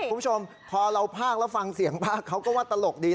คุณผู้ชมพอเราภาคแล้วฟังเสียงภาคเขาก็ว่าตลกดี